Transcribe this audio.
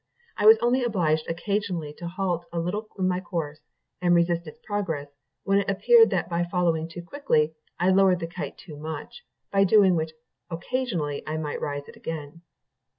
I was only obliged occasionally to halt a little in my course, and resist its progress, when it appeared that by following too quickly, I lowered the kite too much; by doing which occasionally I made it rise again.